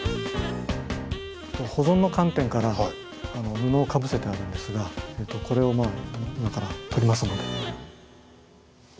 保存の観点から布をかぶせてあるんですがこれを今から取りますので。